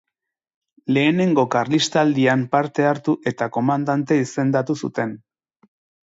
Lehenengo Karlistaldian parte hartu eta komandante izendatu zuten.